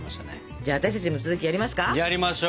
じゃあ私たちも続きやりますか！